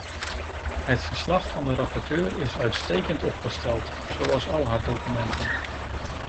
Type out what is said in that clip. Het verslag van de rapporteur is uitstekend opgesteld, zoals al haar documenten.